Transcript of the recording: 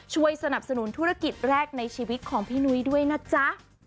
ช่วยสนับสนุนธุรกิจแรกในชีวิตของพี่นุ้ยด้วยนะจ๊ะ